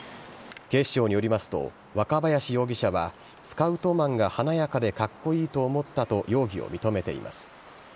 警視庁によりますと、若林容疑者はスカウトマンが華やかでかっこいいと思ったと容疑を認めています。